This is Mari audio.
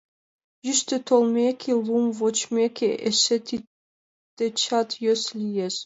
Йӱштӧ толмеке, лум вочмеке эше тиддечат йӧсӧ лиеш.